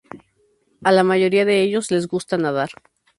A la mayoría de ellos les gusta nadar.